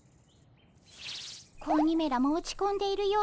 子鬼めらも落ち込んでいる様子。